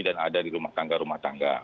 dan ada di rumah tangga rumah tangga